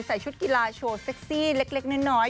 ชุดกีฬาโชว์เซ็กซี่เล็กน้อย